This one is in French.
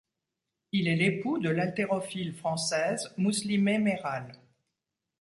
Il est l'époux de l'haltérophile française Muslimé Meral.